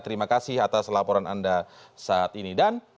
terima kasih atas laporan anda saat ini